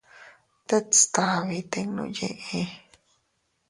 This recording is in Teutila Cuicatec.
Tet stabi tinnu yiʼi.